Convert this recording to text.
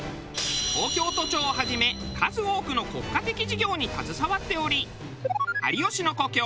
東京都庁をはじめ数多くの国家的事業に携わっており有吉の故郷